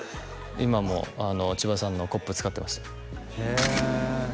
今も千葉さんのコップ使ってましたへえ